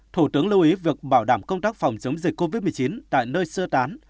thủ tướng lưu ý việc bảo đảm công tác phòng chống dịch covid một mươi chín tại nơi sơ tán